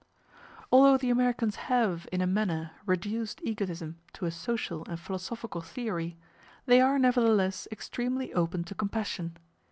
Although the Americans have, in a manner, reduced egotism to a social and philosophical theory, they are nevertheless extremely open to compassion.